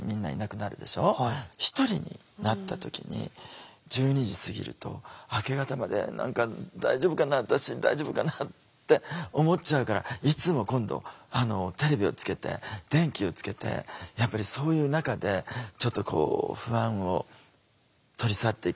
１人になった時に１２時過ぎると明け方まで「何か大丈夫かな私大丈夫かな」って思っちゃうからいつも今度テレビをつけて電気をつけてやっぱりそういう中でちょっとこう不安を取り去っていくんですよね。